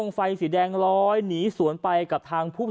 หญิงบอกว่าจะเป็นพี่ปวกหญิงบอกว่าจะเป็นพี่ปวก